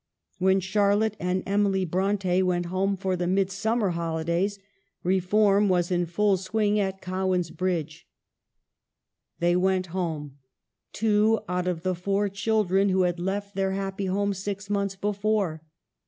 When Char lotte and Emily Bronte went home for the mid summer holidays, reform was in full swing at Cowan's Bridge. They went home, two out of the four children who had left their happy home six months be fore.